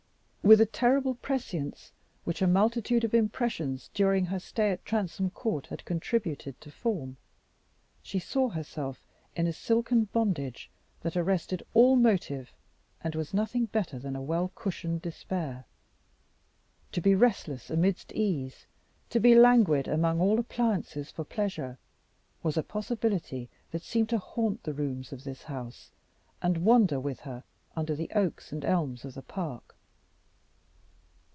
With a terrible prescience which a multitude of impressions during her stay at Transome Court had contributed to form, she saw herself in a silken bondage that arrested all motive, and was nothing better than a well cushioned despair. To be restless amidst ease, to be languid among all appliances for pleasure, was a possibility that seemed to haunt the rooms of this house, and wander with her under the oaks and elms of the park.